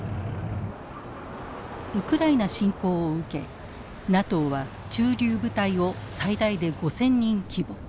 ウクライナ侵攻を受けＮＡＴＯは駐留部隊を最大で５，０００人規模